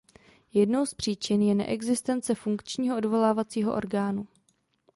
Jednou z příčin je neexistence funkčního odvolacího orgánu.